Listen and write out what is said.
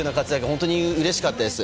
本当にうれしかったです。